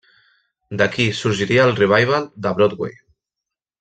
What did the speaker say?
D'aquí sorgiria el revival de Broadway.